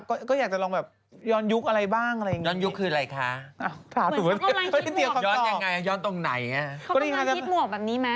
ขอคุณจังจี่ผมมีอะไรของคุณฮะ